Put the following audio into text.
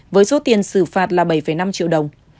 với số tiền xử phạt là bảy năm triệu đồng